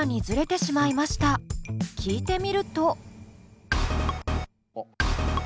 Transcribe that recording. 聴いてみると。